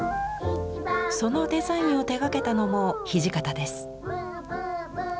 そのデザインを手がけたのも土方です。